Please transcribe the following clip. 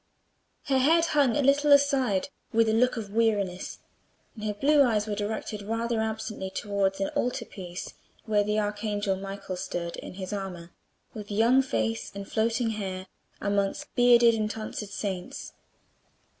Her head hung a little aside with a look of weariness, and her blue eyes were directed rather absently towards an altar piece where the Archangel Michael stood in his armour, with young face and floating hair, amongst bearded and tonsured saints.